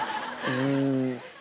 うん。